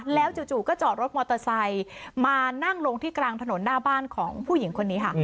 แล้วจู่ก็จอดรถมอเตอร์ไซค์มานั่งลงที่กลางถนนหน้าบ้านของผู้หญิงคนนี้ค่ะ